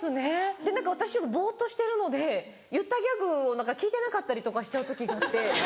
で何か私ぼっとしてるので言ったギャグを聞いてなかったりとかしちゃう時があって。